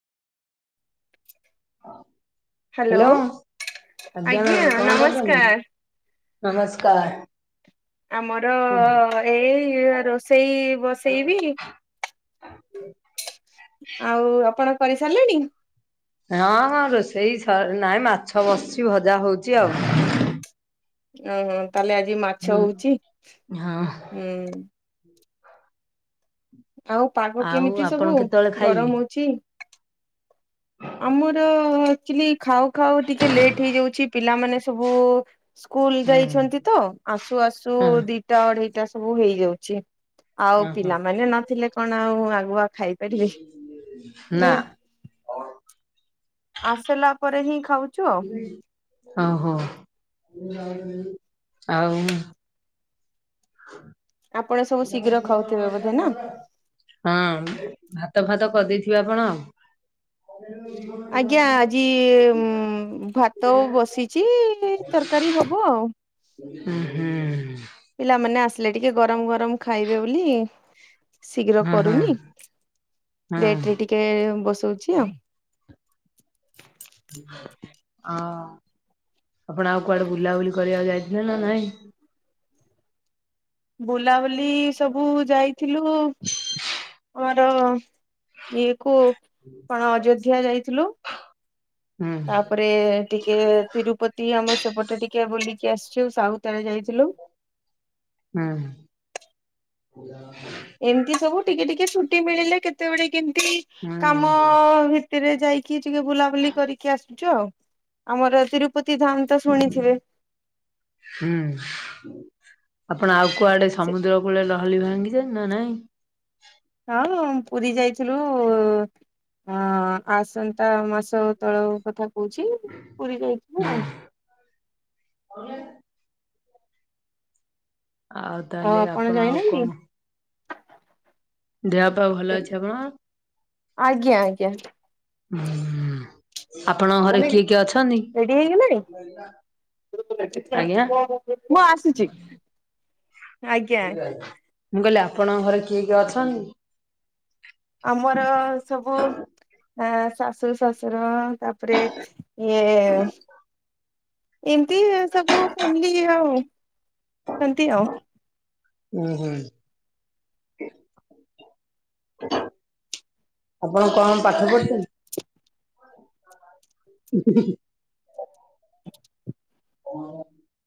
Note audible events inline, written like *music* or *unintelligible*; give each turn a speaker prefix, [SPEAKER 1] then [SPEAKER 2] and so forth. [SPEAKER 1] Hello, ଆଜ୍ଞା କଣ କରୁଛନ୍ତି? ନମସ୍କାର। ହଁ
[SPEAKER 2] ଆମର-ଅ-ଅ-ଅ ଏଇ ରୋଷେଇ ବସେଇବି।
[SPEAKER 1] ହୁଁ
[SPEAKER 2] ଆଉ-ଉ-ଉ-ଉ ଆପଣ କରିସାରିଲେଣି?
[SPEAKER 1] ହଁ ହଁ ରୋଷେଇ ସରି ନାହିଁ ମାଛ ବସିଛି, ଭଜା ହଉଛି ଆଉ।
[SPEAKER 2] ଓହୋ ତାହେଲେ ଆଜି ମାଛ
[SPEAKER 1] ହୁଁ
[SPEAKER 2] ହଉଛି, ହୁଁ।
[SPEAKER 1] ହୁଁ
[SPEAKER 2] ଆଉ ପାଗ କେମିତି
[SPEAKER 1] ଆପଣ
[SPEAKER 2] ସବୁ
[SPEAKER 1] କେତେବେଳେ ଖାଇବେ?
[SPEAKER 2] ଗରମ ହଉଛି? ଆମର ଆକଚୁଲି ଖାଉ ଖାଉ ଟିକେ ଲେଟ୍ ହେଇଯାଉଛି ପିଲାମାନେ ସବୁ-ଉ-ଉ-ଉ ସ୍କୁଲ ଯାଇଛନ୍ତି
[SPEAKER 1] ହୁଁ
[SPEAKER 2] ତ ଆସୁ ଆସୁ ଦିଟା ଅଢେଇଟା ସବୁ ହେଇଯାଉଛି। ଆଉ
[SPEAKER 1] ଓହୋ
[SPEAKER 2] ପିଲାମାନେ ନଥିଲେ କଣ ଆଉ ଆଗୁଆ ଖାଇପାରିବି।
[SPEAKER 1] ନା।
[SPEAKER 2] ଆସିଲା ପରେ ହିଁ ଖାଉଛୁ ଆଉ।
[SPEAKER 1] ଓ ହୋ ଆଉ-ଉ-ଉ ହଁ
[SPEAKER 2] ଆପଣ ସବୁ ଶୀଘ୍ର ଖାଉଥିବେ ବୋଧେ ନା?
[SPEAKER 1] ହଁ ଭାତ ଫାତ କରିଦେଇଥିବେ ଆପଣ? *unintelligible*
[SPEAKER 2] ଆଜ୍ଞା ଆଜି-ଇ-ଇ-ଇ-ମ୍ ଭାତ ବସିଛି-ଇ-ଇ-ଇ ତରକାରୀ ହବ ଆଉ।
[SPEAKER 1] ହୁଁ ହୁଁ।
[SPEAKER 2] ପିଲାମାନେ ଆସିଲେ ଟିକେ ଗରମ ଗରମ ଖାଇବେ ବୋଲି। ଶୀଘ୍ର
[SPEAKER 1] ହଁ ହଁ।
[SPEAKER 2] କରୁନି
[SPEAKER 1] ହଁ।
[SPEAKER 2] ଲେଟରେ
[SPEAKER 1] ହଁ
[SPEAKER 2] ଟିକେ ବସଉଛି ଆଉ।
[SPEAKER 1] ହ, ଆପଣ ଆଉ କୁଆଡେ ବୁଲାବୁଲି କରିବାକୁ ଯାଇଥିଲେ ନା ନାଇଁ?
[SPEAKER 2] ବୁଲାବୁଲି ସବୁ ଯାଇଥିଲୁ ଆମର ଇଏ କୁ କଣ ଅଯୋଧ୍ୟା ଯାଇଥିଲୁ।
[SPEAKER 1] ହୁଁ।
[SPEAKER 2] ତାପରେ ଟିକେ ତିରୁପତି ଆମର ସେପଟେ ଟିକେ ବୁଲିକି ଆସିଛି ଆ ସାଉଥ ଆଡେ ଯାଇଥିଲୁ।
[SPEAKER 1] ହଁ।
[SPEAKER 2] ଏମିତି ସବୁ ଟିକେ ଟିକେ ଛୁଟି ମିଳିଲେ କେତେବେଳେ କେମତି
[SPEAKER 1] ହୁଁ
[SPEAKER 2] କାମ ଭିତରେ ଯାଇ କି ଟିକେ ବୁଲାବୁଲି କରିକି ଆସୁଛୁ ଆଉ ଆମର ତିରୁପତି ଧାମ ତ ଶୁଣିଥିବେ।
[SPEAKER 1] ହୁଁ ଆପଣ ଆଉ କୁଆଡ଼େ
[SPEAKER 2] ସେ
[SPEAKER 1] ସମୁଦ୍ର କୂଳ ଲ ହରି ଭାଙ୍ଗିଚନି ନା ନାଇଁ?
[SPEAKER 2] ହଁ ପୁରୀ ଯାଇଥିଲୁ ଆଁ ଆସ ତ ମାସ ତଳ କଥା କହୁଛି ପୁରୀ ଯାଇଥିଲୁ ଆଉ।
[SPEAKER 1] *unintelligible* ଆଉ ତାହେଲେ ଆପଣ ଆଉ କଣ ଦେହ ପା ଭଲ ଅଛି ଆପଣ
[SPEAKER 2] ଆଜ୍ଞା ଆଜ୍ଞା।
[SPEAKER 1] ହୁଁ ଆପଣଙ୍କ ଘରେ କିଏ କିଏ ଅଛନ୍ତି?
[SPEAKER 2] ରେଡି ହେଇଗଲେଣି?
[SPEAKER 1] ଆଜ୍ଞା
[SPEAKER 2] ମୁଁ ଆସୁଚି।
[SPEAKER 1] ମୁଁ କହିଲି ଆପଣଙ୍କ ଘରେ କିଏ କିଏ ଅଛନ୍ତି।
[SPEAKER 2] ଆମର ସବୁ ଆ ଶାଶୁ ଶଶୁର ତାପ ତାପରେ ଇଏ ଏମତି ସବୁ ଫ୍ୟାମିଲି ଆଉ ସେମିତି ଆଉ।
[SPEAKER 1] ହୁଁ ହୁଁ।
[SPEAKER 2] *unintelligible*
[SPEAKER 1] ଆପଣ କଣ ପାଠ ପଢ଼ିଛନ୍ତି?
[SPEAKER 2] *unintelligible*
[SPEAKER 1] *unintelligible*